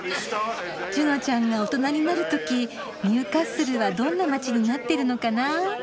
ジュノちゃんが大人になる時ニューカッスルはどんな街になってるのかな？